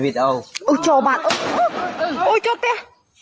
อือเออเออ